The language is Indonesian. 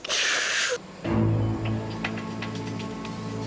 aku masih gini gini